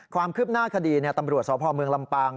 ความคืบหน้าคดีตำรวจสพเมืองลำปาง